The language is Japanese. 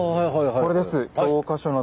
これです。